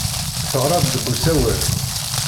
Teɣra-d deg usawal.